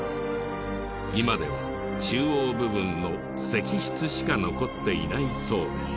今では中央部分の石室しか残っていないそうです。